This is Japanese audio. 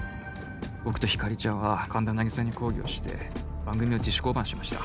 僕と光莉ちゃんは神田凪沙に抗議をして番組を自主降板しました。